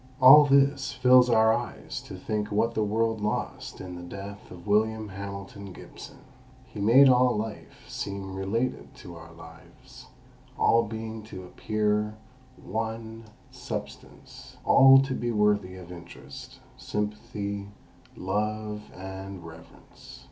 All this fills our eyes to think what the world lost in the death of William Hamilton Gibson. He made all life seem related to our lives, all being to appear one substance, all to be worthy of interest, sympathy, love, and reverence.